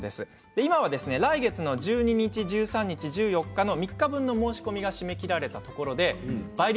今は来月１２日１３日、１４日の３日分の申し込みが締め切られたところで倍率